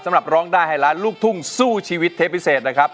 ร้องได้ให้ล้านลูกทุ่งสู้ชีวิตเทปพิเศษนะครับ